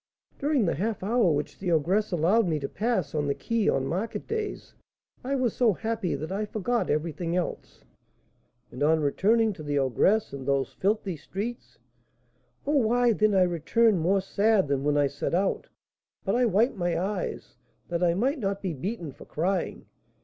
During the half hour which the ogress allowed me to pass on the quay on market days, I was so happy that I forgot everything else." "And on returning to the ogress, and those filthy streets?" "Oh, why, then I returned more sad than when I set out; but I wiped my eyes, that I might not be beaten for crying.